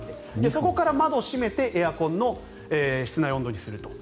そこから窓を閉めてエアコンの室内温度にすると。